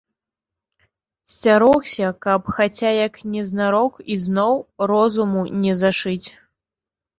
Сцярогся, каб хаця як незнарок ізноў розуму не зашыць.